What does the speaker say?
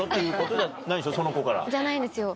じゃないんですよ。